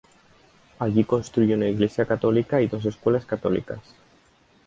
Allí construye una iglesia católica y dos escuelas católicas.